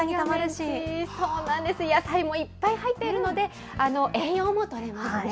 そうなんです、野菜もいっぱい入っているので栄養もとれますよね。